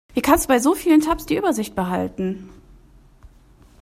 Wie kannst du bei so vielen Tabs die Übersicht behalten?